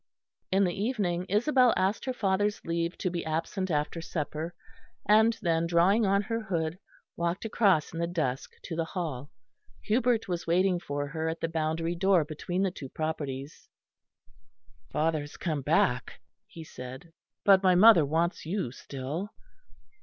In the evening Isabel asked her father's leave to be absent after supper, and then drawing on her hood, walked across in the dusk to the Hall. Hubert was waiting for her at the boundary door between the two properties. "Father has come back," he said, "but my mother wants you still."